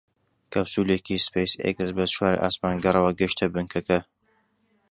کەپسوولێکی سپەیس ئێکس بە چوار ئاسمانگەڕەوە گەیشتە بنکەکە